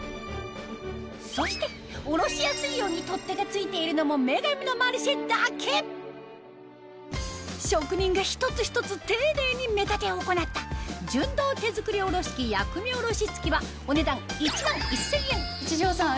そしておろしやすいように取っ手が付いているのも『女神のマルシェ』だけ職人が一つ一つ丁寧に目立てを行った純銅手造りおろし器薬味おろし付きは壱城さん